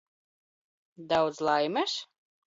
Daudz laimes?